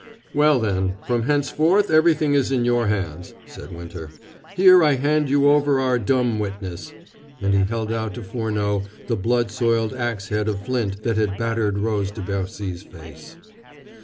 "Well, then, from henceforth everything is in your hands," said Winter. "Here I hand you over our dumb witness" and he held out to Furneaux the blood soiled ax head of flint that had battered Rose de Bercy's face.